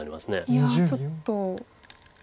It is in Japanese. いやちょっと。